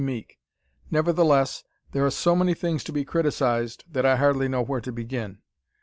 Meek. Nevertheless, there are so many things to be criticized that I hardly know where to begin.